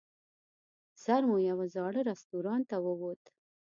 سر مو یوه زاړه رستورانت ته ووت.